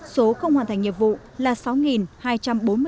số không hoàn thành nhiệm vụ là sáu hai trăm bốn mươi người chiếm ba mươi bảy